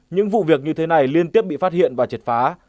những vụ việc như thế này liên tiếp bị phát hiện và triệt phá